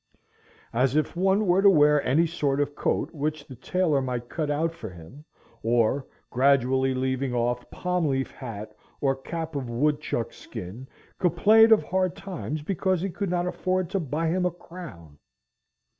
As if one were to wear any sort of coat which the tailor might cut out for him, or, gradually leaving off palmleaf hat or cap of woodchuck skin, complain of hard times because he could not afford to buy him a crown!